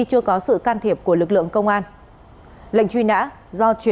cảm ơn các bạn đã theo dõi